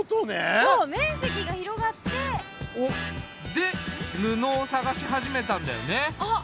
で布を探し始めたんだよね。